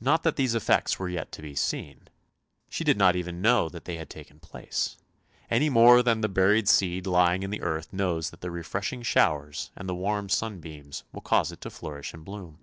Not that these effects were yet to be seen; she did not even know that they had taken place, any more than the buried seed lying in the earth knows that the refreshing showers and the warm sunbeams will cause it to flourish and bloom.